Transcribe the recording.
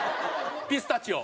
ピスタチオ。